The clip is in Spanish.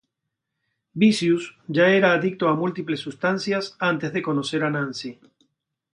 Vicious ya era adicto a múltiples sustancias antes de conocer a Nancy.